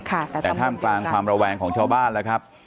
แต่ท่ามกลางความระแวงของชาวบ้านแล้วครับ